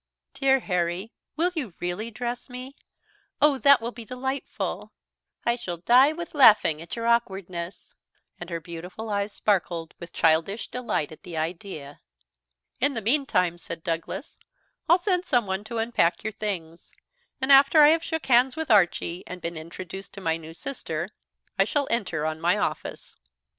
"Dear Harry, will you really dress me? Oh! That will be delightful! I shall die with laughing at your awkwardness;" and her beautiful eyes sparkled with childish delight at the idea. "In the meantime," said Douglas, "I'll send someone to unpack your things; and after I have shook hands with Archie, and been introduced to my new sister, I shall enter on my office."